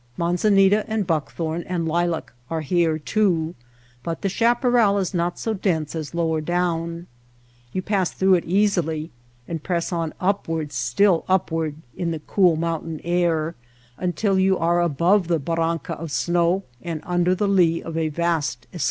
Manzanita and buckthorn and lilac are here, too ; but the chaparral is not so dense as lower down. You pass through it easily and press on upward, still upward, in the cool mountain air, until you are above the barranca of snow and un The ivear of water.